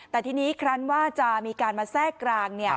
แต่ทีนี้ครั้นว่าจะมีการมาแทรกกลาง